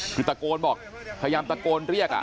คือตะโกนบอกพยายามตะโกนเรียก